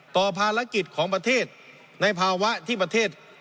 ต่อภารกิจของประเทศในภาวะที่ประเทศ